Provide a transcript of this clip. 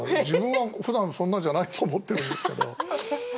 自分はふだんそんなじゃないと思っているんですけど。